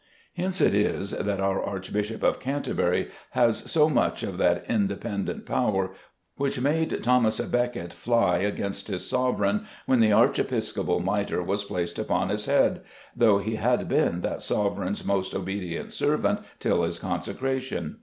Hence it is that our Archbishop of Canterbury has so much of that independent power which made Thomas à Becket fly against his sovereign when the archiepiscopal mitre was placed upon his head, though he had been that sovereign's most obedient servant till his consecration.